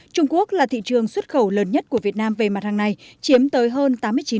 trung quốc là thị trường xuất khẩu lớn nhất của việt nam về mặt hàng này chiếm tới hơn tám mươi chín